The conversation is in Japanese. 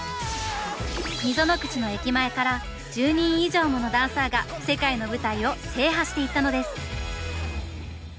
溝口の駅前から１０人以上ものダンサーが世界の舞台を制覇していったのです。